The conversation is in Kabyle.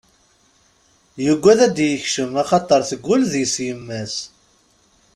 Yuggad ad d-ikcem axaṭer teggull deg-s yemma-s.